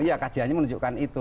iya kajiannya menunjukkan itu